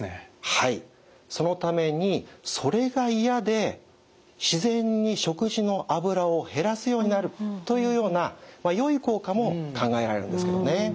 はいそのためにそれが嫌で自然に食事の脂を減らすようになるというようなよい効果も考えられるんですけどね。